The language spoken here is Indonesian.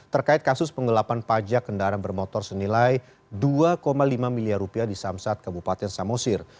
terkait kasus penggelapan pajak kendaraan bermotor senilai dua lima miliar rupiah di samsat kabupaten samosir